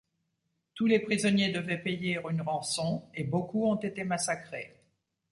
Tous les prisonniers devaient payer une rançon et beaucoup ont été massacrés.